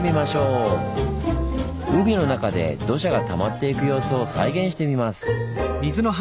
海の中で土砂がたまっていく様子を再現してみます。